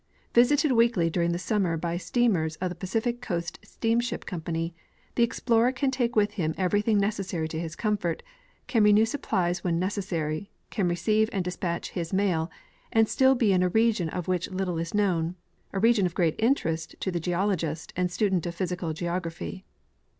Visited weekly during the summer by the steamers of the Pacific Coast Steamship com pany, the explorer can take with him everything necessary to his comfort, can renew supplies when necessary, can receive and despatch his mail, and still l)e in a region of which little is known — a region of great interest to the geologist and student of physical geography.